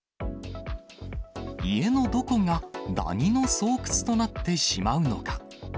家のどこが、ダニの巣窟となってしまうのか。